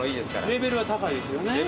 レベル高いですよ。